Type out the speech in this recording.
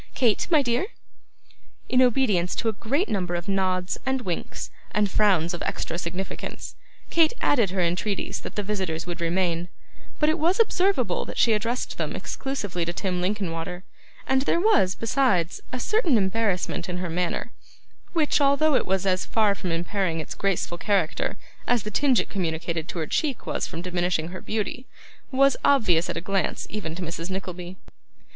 Kate, my dear!' In obedience to a great number of nods, and winks, and frowns of extra significance, Kate added her entreaties that the visitors would remain; but it was observable that she addressed them exclusively to Tim Linkinwater; and there was, besides, a certain embarrassment in her manner, which, although it was as far from impairing its graceful character as the tinge it communicated to her cheek was from diminishing her beauty, was obvious at a glance even to Mrs. Nickleby.